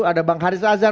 ada bang haris azhar